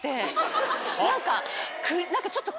何かちょっと。